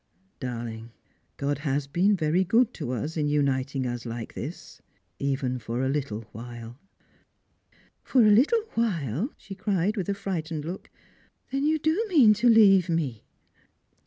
Darling, God has been very good to us in uniting us like this, even for a little while." " For a Little while !" she cried, with a frightened look " Then you do mean to leave me